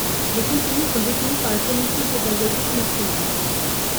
Les contenus sont définis par la Commission Pédagogique Nationale.